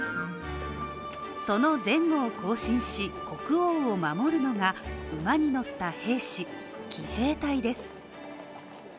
その前後を行進し、国王を守るのが馬に乗った兵士、騎兵隊です。